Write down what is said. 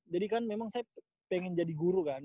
jadi kan memang saya pengen jadi guru kan